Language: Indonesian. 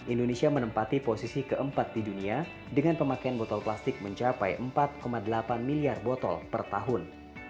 indonesia menempati posisi keempat di dunia dengan pemakaian botol plastik mencapai empat delapan miliar botol per tahun